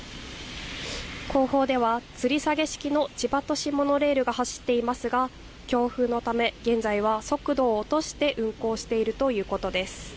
後方ではつり下げ式の千葉都市モノレールが走っていますが強風のため現在は速度を落として運行しているということです。